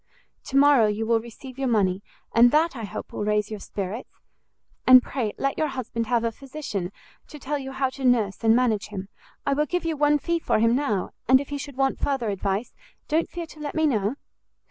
To morrow you will receive your money, and that, I hope, will raise your spirits. And pray let your husband have a physician, to tell you how to nurse and manage him; I will give you one fee for him now, and if he should want further advice, don't fear to let me know."